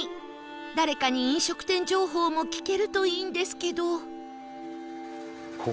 誰かに飲食店情報も聞けるといいんですけど